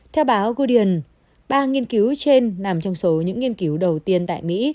theo báo gudeian ba nghiên cứu trên nằm trong số những nghiên cứu đầu tiên tại mỹ